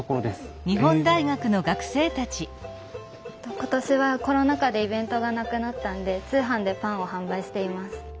今年はコロナ禍でイベントがなくなったんで通販でパンを販売しています。